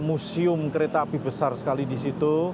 museum kereta api besar sekali di situ